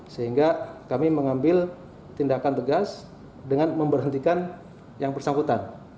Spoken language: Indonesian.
sehingga kami mengambil tindakan tegas dengan memberhentikan yang bersangkutan